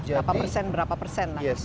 berapa persen berapa persen lah